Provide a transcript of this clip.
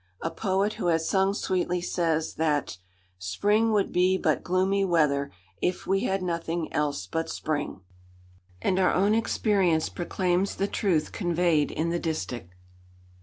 A poet who has sung sweetly says, that: "Spring would be but gloomy weather, If we had nothing else but Spring;" and our own experience proclaims the truth conveyed in the distich.